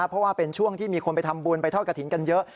เพราะว่าเป็นช่วงที่มีคนไปทำบุญไปทอดกระถิ่นกันเยอะ